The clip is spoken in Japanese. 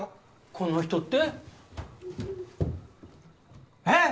この人って？えっ！？